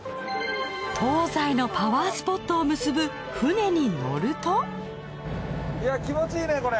東西のパワースポットを結ぶ船に乗ると気持ちいいねこれ。